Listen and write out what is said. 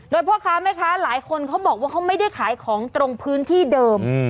โดยพ่อค้าแม่ค้าหลายคนเขาบอกว่าเขาไม่ได้ขายของตรงพื้นที่เดิม